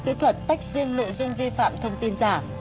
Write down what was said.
kỹ thuật tách riêng nội dung vi phạm thông tin giả